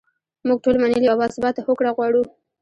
موږ ټول منلې او باثباته هوکړه غواړو.